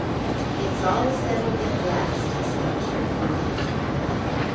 "It's all settled at last," he said cheerfully.